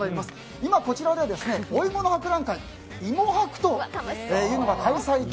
今こちらではお芋の博覧会芋博というのが開催中。